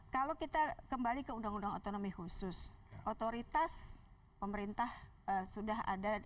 kalau kita kembali ke uuh